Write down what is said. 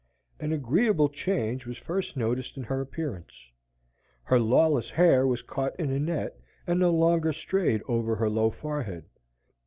An agreeable change was first noticed in her appearance. Her lawless hair was caught in a net, and no longer strayed over her low forehead.